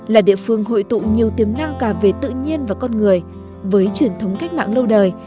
là địa phương hội tụ nhiều tiềm năng cả về tự nhiên và con người với truyền thống cách mạng lâu đời